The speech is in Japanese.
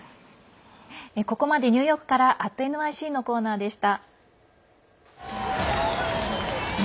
ここまでニューヨークから「＠ｎｙｃ」のコーナーでした。